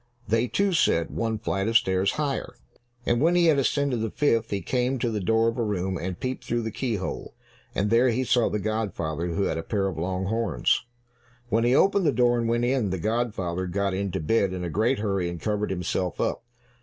They, too, said, "One flight of stairs higher." And when he had ascended the fifth, he came to the door of a room and peeped through the keyhole, and there he saw the godfather who had a pair of long horns. When he opened the door and went in, the godfather got into bed in a great hurry and covered himself up.